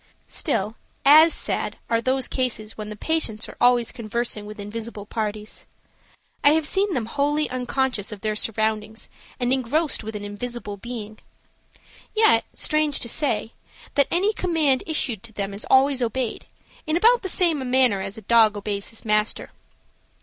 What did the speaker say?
Still, as sad are those cases when the patients are always conversing with invisible parties. I have seen them wholly unconscious of their surroundings and engrossed with an invisible being. Yet, strange to say, that any command issued to them is always obeyed, in about the same manner as a dog obeys his master.